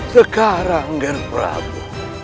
sekarang gert prabu